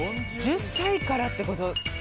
１０歳からってこと。